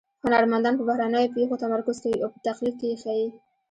هنرمنان پر بهرنیو پېښو تمرکز کوي او په تقلید کې یې ښيي